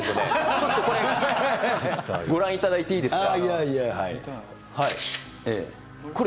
ちょっとこれ、ご覧いただいていいですか。